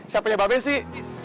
siapanya baabeh sih